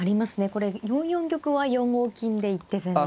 これ４四玉は４五金で一手詰め。